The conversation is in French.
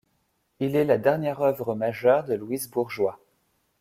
Il est la dernière œuvre majeure de Louise Bourgeois.